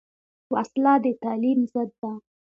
وسله د تعلیم ضد ده